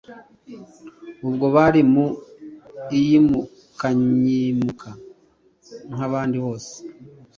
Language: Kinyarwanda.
ubwo bari mu iyimukayimuka nk’abandi bose